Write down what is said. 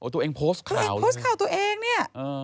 ตัวเองโพสต์ข่าวโพสต์ข่าวตัวเองเนี่ย